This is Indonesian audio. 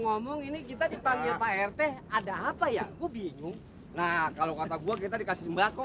ngomong ini kita dipanggil pak rt ada apa ya gue bingung nah kalau kata gua kita dikasih sembako